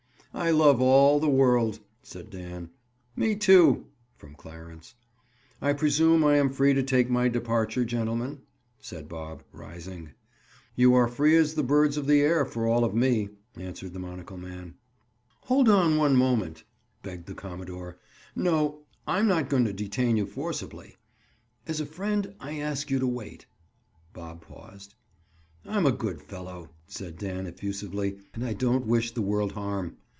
"I love all the world," said Dan. "Me, too!" from Clarence. "I presume I am free to take my departure, gentlemen?" said Bob, rising. "You are free as the birds of the air for all of me," answered the monocle man. "Hold on one moment," begged the commodore. "No; I'm not going to detain you forcibly. As a friend I ask you to wait." Bob paused. "I'm a good fellow," said Dan effusively, "and I don't wish the world harm.